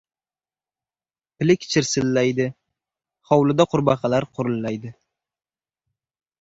Pilik chirsillaydi, hovlida qurbaqalar qurillaydi.